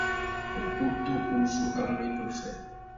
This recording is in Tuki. Ukutu uzu a mú ena uffê.